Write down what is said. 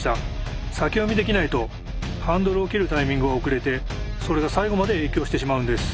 先読みできないとハンドルを切るタイミングが遅れてそれが最後まで影響してしまうんです。